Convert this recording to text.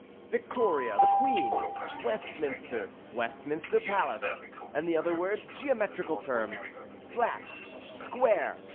Victoria the Queen. Westminster Westminster Palace. And the other words geometrical terms, Flat, Square.